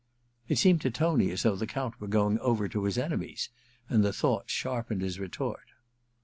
It seemed to Tony as though the Count were going over to his enemies, and the thought sharpened his retort.